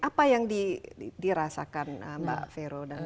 apa yang dirasakan mbak vero